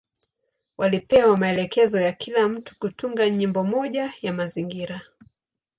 Walipewa maelekezo ya kila mtu kutunga nyimbo moja ya mazingira.